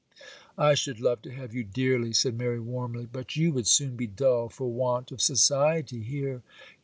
'I should love to have you dearly,' said Mary, warmly; 'but you would soon be dull for want of society here.